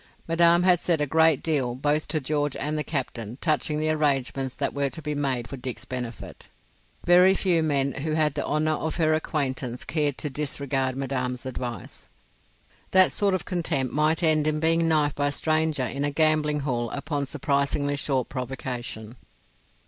Madame had said a great deal both to George and the captain touching the arrangements that were to be made for Dick's benefit. Very few men who had the honour of her acquaintance cared to disregard Madame's advice. That sort of contempt might end in being knifed by a stranger in a gambling hell upon surprisingly short provocation.